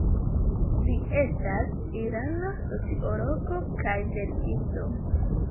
Li estas irana sociologo kaj verkisto.